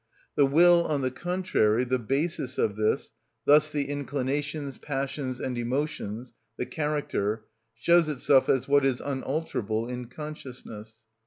The will, on the contrary, the basis of this, thus the inclinations, passions, and emotions, the character, shows itself as what is unalterable in consciousness.